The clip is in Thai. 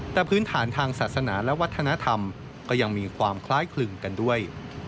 แต่พื้นฐานทางศาสนาและวัฒนธรรมก็ยังมีความคล้ายคลึงกันด้วย